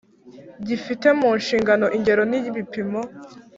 gifite mu nshingano ingero n ibipimo.